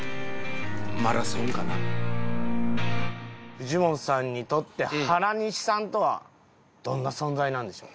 藤本さんにとって原西さんとはどんな存在なんでしょう？